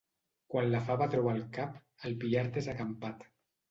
Quan la fava treu el cap, el pillard és acampat.